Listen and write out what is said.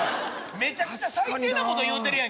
めちゃくちゃ最低なこと言うてるやんけ。